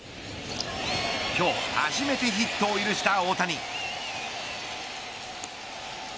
今日初めてヒットを許した大谷。